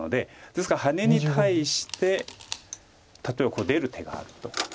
ですからハネに対して例えば出る手があると。